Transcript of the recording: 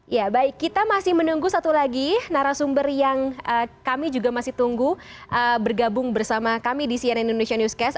ya baik kita masih menunggu satu lagi narasumber yang kami juga masih tunggu bergabung bersama kami di cnn indonesia newscast